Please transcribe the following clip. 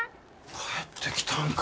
帰ってきたんか。